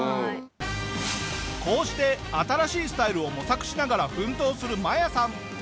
こうして新しいスタイルを模索しながら奮闘するマヤさん。